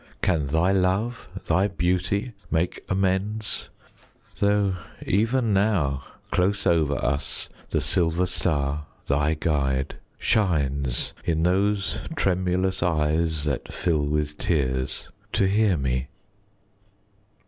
Can thy love, Thy beauty, make amends, tho' even now, Close over us, the silver star, thy guide, Shines in those tremulous eyes that fill with tears To hear me?